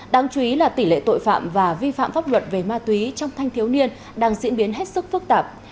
đáng chú ý là tỷ lệ tội phạm và vi phạm pháp luật về ma túy trong thanh thiếu niên đang diễn biến hết sức phức tạp